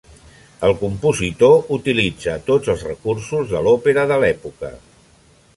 El compositor utilitza tots els recursos de l'òpera de l'època.